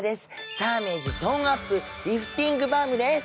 サーメージトーンアップリフティングバームです。